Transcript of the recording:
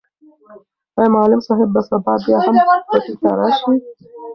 آیا معلم صاحب به سبا بیا هم پټي ته راشي؟